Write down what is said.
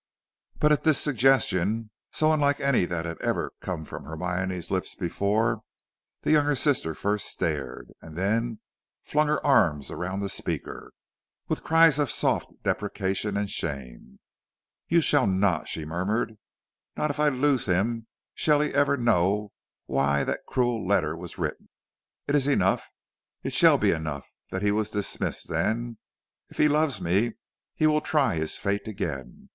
But at this suggestion, so unlike any that had ever come from Hermione's lips before, the younger sister first stared, and then flung her arms around the speaker, with cries of soft deprecation and shame. "You shall not," she murmured. "Not if I lose him shall he ever know why that cruel letter was written. It is enough it shall be enough that he was dismissed then. If he loves me he will try his fate again.